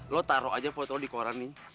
lo taruh aja foto di koran nih